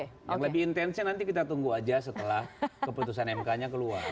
yang lebih intensnya nanti kita tunggu aja setelah keputusan mk nya keluar